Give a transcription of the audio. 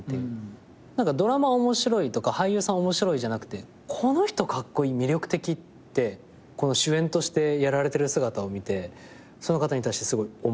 ドラマ面白いとか俳優さん面白いじゃなくてこの人カッコイイ魅力的って主演としてやられてる姿を見てその方に対してすごい思ったんですよ。